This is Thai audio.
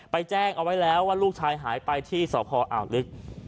ไปแจ้งเอาไว้แล้วว่าลูกชายหายไปที่สภออัตภิกษ์